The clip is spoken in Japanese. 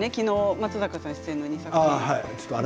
松坂さん出演の２作品。